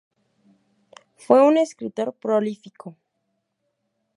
Fue un escritor prolífico.